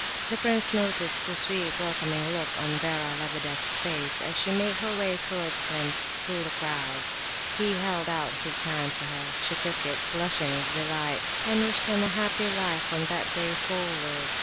The prince noticed the sweet, welcoming look on Vera Lebedeff's face, as she made her way towards him through the crowd. He held out his hand to her. She took it, blushing with delight, and wished him "a happy life from that day forward."